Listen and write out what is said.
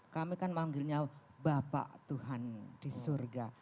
kami kan manggilnya bapak tuhan di surga